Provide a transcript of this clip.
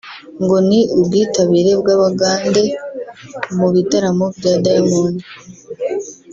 ngo ni ubwitabire bw’abagande mu bitaramo bya Diamond